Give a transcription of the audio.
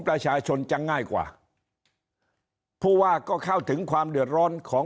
ประชาชนจะง่ายกว่าผู้ว่าก็เข้าถึงความเดือดร้อนของ